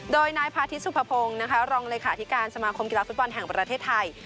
โดยนายพาทิตสุภพงศ์นะคะรองเลขาธิการสมาคมกีฬาฟุตบอลแห่งประเทศไทย